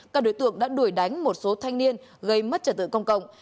các đối tượng đã đuổi đánh một số thanh niên gây mất trật tự công cộng